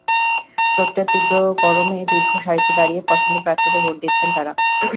চৈত্রের তীব্র গরমেও দীর্ঘ সারিতে দাঁড়িয়ে পছন্দের প্রার্থীকে ভোট দিচ্ছেন তাঁরা।